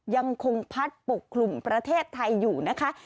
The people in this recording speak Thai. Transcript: ยังคงพัดปกคลุมประเทศไทยอยู่นะคะ